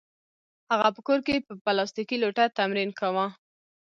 هغه په کور کې په پلاستیکي لوټه تمرین کاوه